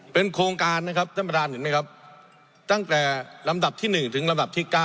เป็นโครงการนะครับท่านประธานเห็นไหมครับตั้งแต่ลำดับที่๑ถึงลำดับที่๙